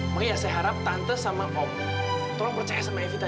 mak ya saya harap tante sama om tolong percaya sama evita